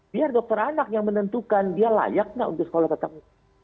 biar dokter anak yang menentukan dia layak nggak untuk sekolah tetap muka